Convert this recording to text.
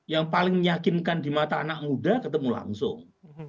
yang paling meyakinkan di mata anak muda ketemu langsung